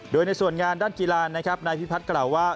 โดยในส่วนงานด้านกีฬานายพิพัทรกล่าวว่า